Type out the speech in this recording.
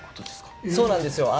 そうなんですよ。